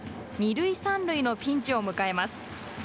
二塁三塁のピンチを迎えます。